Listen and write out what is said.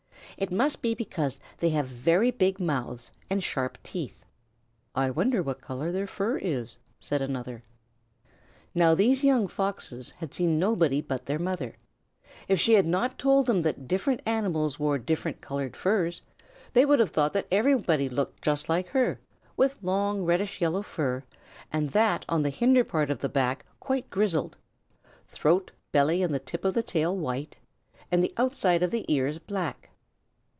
"It must be because they have very big mouths and sharp teeth." "I wonder what color their fur is," said another. Now these young Foxes had seen nobody but their mother. If she had not told them that different animals wore different colored furs, they would have thought that everybody looked just like her, with long reddish yellow fur and that on the hinder part of the back quite grizzled; throat, belly, and the tip of the tail white, and the outside of the ears black.